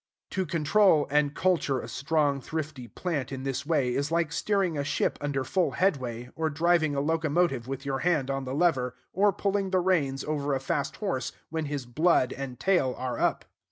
To control and culture a strong, thrifty plant in this way is like steering a ship under full headway, or driving a locomotive with your hand on the lever, or pulling the reins over a fast horse when his blood and tail are up.